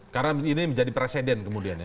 karena ini menjadi presiden kemudian ya